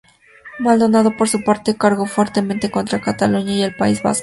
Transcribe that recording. Maldonado, por su parte, cargó fuertemente contra Cataluña y el País Vasco.